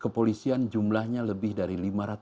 polisian jumlahnya lebih dari